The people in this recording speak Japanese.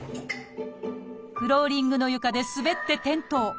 フローリングの床で滑って転倒。